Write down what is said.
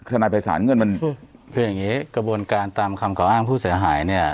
นายภัยศาลเงินมันคืออย่างนี้กระบวนการตามคำก่ออ้างผู้เสียหายเนี่ย